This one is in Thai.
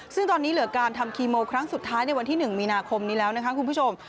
ซึ่งตอนนี้เหลือการทำคีโมครั้งสุดท้ายในวันที่๑มีนาคมนี้แล้วนะคะคุณผู้ชม